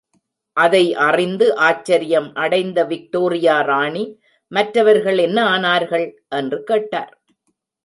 அதை அறிந்து ஆச்சரியம் அடைந்த விக்டோரியா ராணி, மற்றவர்கள் என்ன ஆனார்கள்? என்று கேட்டார்.